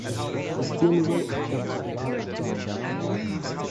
Her funeral attracted large crowds.